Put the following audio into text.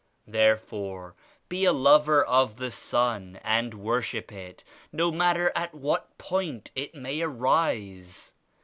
Therefore be a lover of the *Sun' and worship it, no matter at what point it may arise.